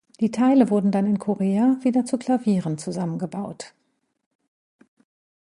Die Teile wurden dann in Korea wieder zu Klavieren zusammengebaut.